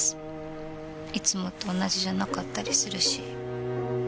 いつもと同じじゃなかったりするし。